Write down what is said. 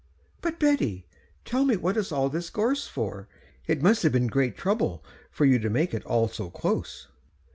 "But Betty, tell me what is all this gorse for? It must have been great trouble for you to make it all so close."